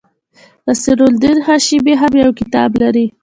نصیر الدین هاشمي هم یو کتاب لري.